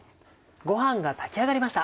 ご飯が炊き上がりました。